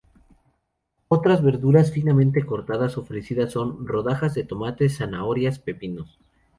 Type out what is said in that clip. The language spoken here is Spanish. Otras verduras finamente cortadas ofrecidas son: rodajas de tomates, zanahorias, pepinos.